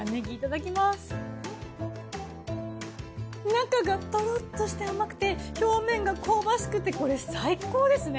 中がトロッとして甘くて表面が香ばしくてこれ最高ですね！